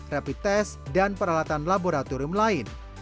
rapid test dan peralatan laboratorium lain